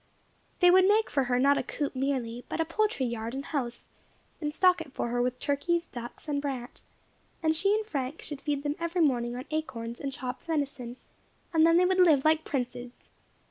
They would make for her not a coop merely, but a poultry yard and house, and stock it for her with turkeys, ducks, and brant; and she and Frank should feed them every morning on acorns and chopped venison, and then they would live like princes.